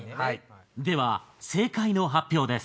では正解の発表です。